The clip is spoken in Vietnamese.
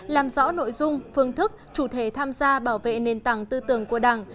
làm rõ nội dung phương thức chủ thể tham gia bảo vệ nền tảng tư tưởng của đảng